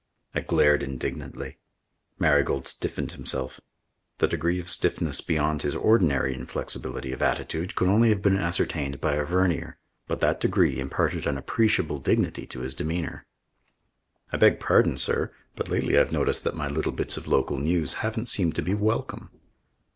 I glared indignantly. Marigold stiffened himself the degree of stiffness beyond his ordinary inflexibility of attitude could only have been ascertained by a vernier, but that degree imparted an appreciable dignity to his demeanour. "I beg pardon, sir, but lately I've noticed that my little bits of local news haven't seemed to be welcome."